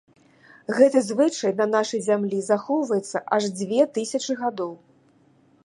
Гэты звычай на нашай зямлі захоўваецца аж дзве тысячы гадоў.